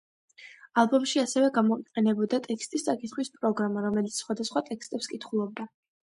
ალბომში ასევე გამოიყენებოდა ტექსტის წაკითხვის პროგრამა, რომელიც სხვადასხვა ტექსტებს კითხულობდა.